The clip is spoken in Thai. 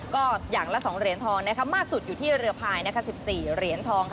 ก็อย่างละ๒เหรียญทองมากสุดอยู่ที่เรือพาย๑๔เหรียญทองค่ะ